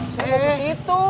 saya mau ke situ